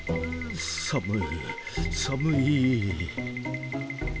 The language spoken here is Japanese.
寒い寒い！